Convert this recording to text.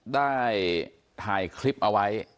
ได้ถ่ายคลิปเอาไว้